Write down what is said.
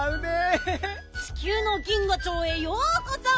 ちきゅうの銀河町へようこそ！